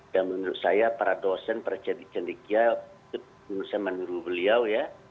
dan menurut saya para dosen para cendikia menurut saya menurut beliau ya